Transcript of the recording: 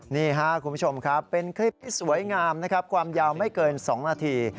นี่คุณผู้ชมครับเป็นคลิปสวยงามความยาวไม่เกิน๒นาที